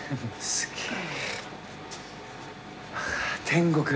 すげえ！